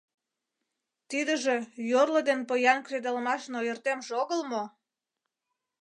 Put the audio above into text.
Тидыже йорло ден поян кредалмашын ойыртемже огыл мо?